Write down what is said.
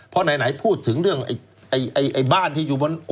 เพราะไหนพูดถึงเรื่องบ้านที่อยู่บน